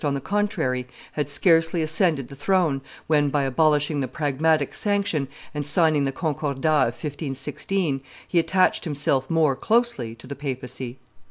on the contrary, had scarcely ascended the throne when, by abolishing the Pragmatic Sanction and signing the Concordat of 1516, he attached himself more closely to the papacy.